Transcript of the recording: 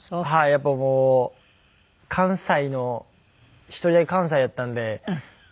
やっぱりもう関西の１人だけ関西やったんでちょっと間とか。